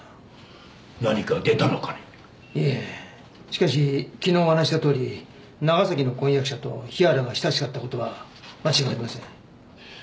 しかし昨日お話ししたとおり長崎の婚約者と日原が親しかった事は間違いありません。